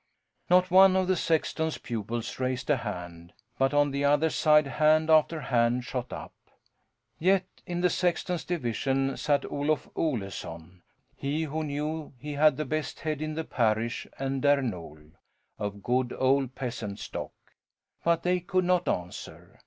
Not one of the sexton's pupils raised a hand, but on the other side hand after hand shot up. Yet, in the sexton's division sat Olof Oleson he who knew he had the best head in the parish, and Där Nol, of good old peasant stock. But they could not answer.